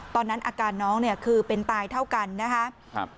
ตอนนั้นอาการน้องเนี่ยคือเป็นตายเท่ากันนะครับ